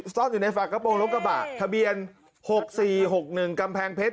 ซ่อนอยู่ในฝากระโปรงรถกระบะทะเบียน๖๔๖๑กำแพงเพชร